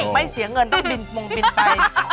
ไม่เสียเงินต้องบินไป